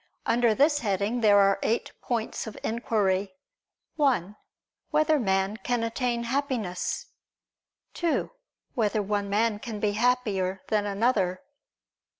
Under this heading there are eight points of inquiry: (1) Whether man can attain Happiness? (2) Whether one man can be happier than another?